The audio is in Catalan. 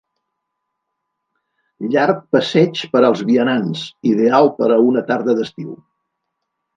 Llarg passeig per als vianants, ideal per a una tarda d'estiu.